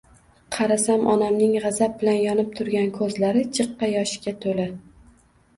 Qarasam onamning g`azab bilan yonib turgan ko`zlari jiqqa yoshga to`la